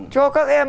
cho các em